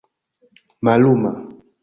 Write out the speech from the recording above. malluma